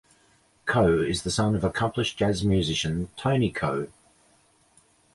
Coe is the son of accomplished jazz musician Tony Coe.